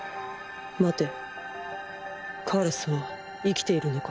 待てカーラスは生きているのか？